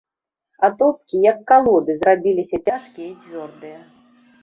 Атопкі, як калоды, зрабіліся цяжкія і цвёрдыя.